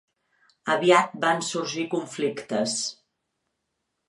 Aviat van sorgir conflictes.